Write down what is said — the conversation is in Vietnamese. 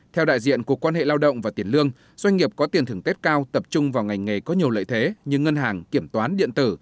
theo đại diện cục quan hệ lao động và tiền lương doanh nghiệp có tiền thưởng tết cao tập trung vào ngành nghề có nhiều lợi thế như ngân hàng kiểm toán điện tử